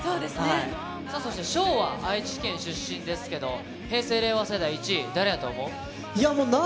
さあ、そして翔は愛知県出身ですけど、平成・令和世代１位、誰やと思う？